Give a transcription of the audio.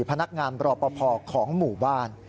พนักงานรอปภของหมู่บ้าน